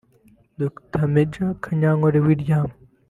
Dr Maj Kanyankore William